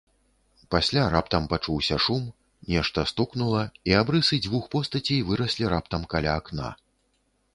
Пасля раптам пачуўся шум, нешта стукнула, і абрысы дзвюх постацей выраслі раптам каля акна.